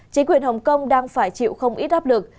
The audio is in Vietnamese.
chính quyền hồng kông đang phải chịu không ít áp lực